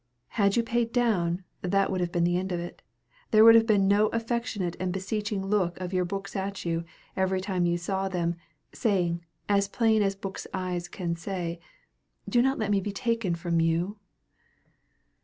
Had you paid down, that would have been the end of it. There would have been no affectionate and beseeching look of your books at you, every time you saw them, saying, as plain as a book's eyes can say, "Do not let me be taken from you."